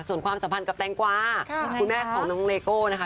ส่วนความสัมพันธ์กับแตงกวาคุณแม่ของน้องเลโก้นะคะ